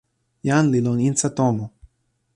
jan li lon insa tomo.